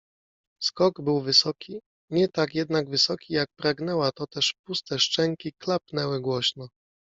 Skok był wysoki, nie tak jednak wysoki, jak pragnęła, toteż puste szczęki kłapnęły głośno